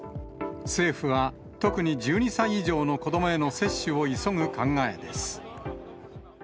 政府は、特に１２歳以上の子どもへの接種を急ぐ考えです。